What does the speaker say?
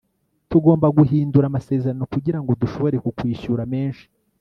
tugomba guhindura amasezerano kugirango dushobore kukwishura menshi